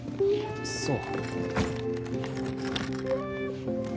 そう。